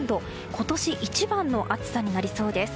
今年一番の暑さになりそうです。